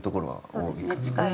そうですね近い。